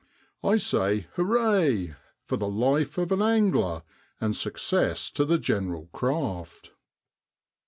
I say Hooray! for the life of an angler, and success to the general craft